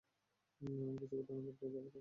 এমন কিছু ঘটনা ঘটলো যা ঘটার কোনো সম্ভবনাই ছিলো না।